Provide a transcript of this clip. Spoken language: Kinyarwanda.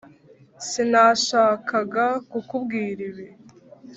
sinashakaga kukubwira ibi.